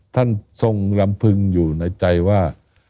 ท่านทรงลำพึงอยู่ในใจว่า